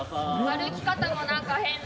歩き方も何か変だった。